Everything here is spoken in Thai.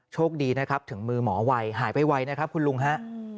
โชคดีนะครับถึงมือหมอไวหายไวนะครับคุณลุงฮะ